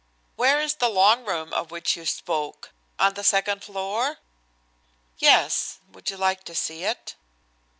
"Where is the Long Room of which you spoke? On the second floor?" "Yes. Would you like to see it?"